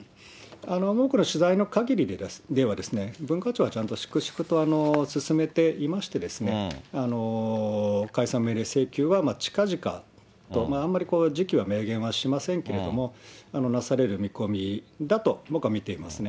僕の取材のかぎりでは文化庁はちゃんと粛々と進めていましてですね、解散命令請求は、近々と、あんまり時期は明言はしませんけれども、なされる見込みだと、僕は見ていますね。